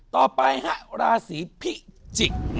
ต่อไปครับราศีพิจิก